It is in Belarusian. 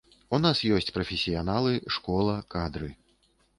У нас ёсць прафесіяналы, школа, кадры.